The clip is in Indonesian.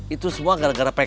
itu semua gara gara pks